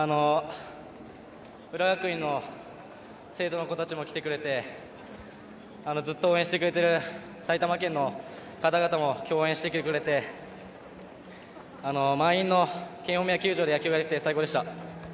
浦和学院の生徒の子たちも来てくれてずっと応援してくれてる埼玉県の方々も今日、応援しに来てくれて満員の大宮球場で野球をやれてよかったです！